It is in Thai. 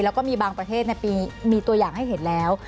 แล้วก็มีบางประเทศมีตัวอย่างให้เห็นแล้ว